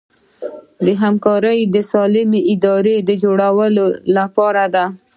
دا همکاري د سالمې ادارې د جوړولو لپاره ده.